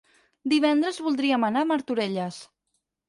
Divendres voldríem anar a Martorelles.